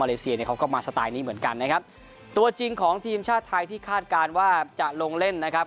เลเซียเนี่ยเขาก็มาสไตล์นี้เหมือนกันนะครับตัวจริงของทีมชาติไทยที่คาดการณ์ว่าจะลงเล่นนะครับ